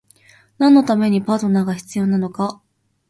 何のためにパートナーが必要なのか？